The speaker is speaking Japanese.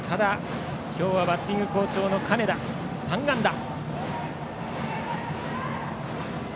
バッティング好調の金田、３安打。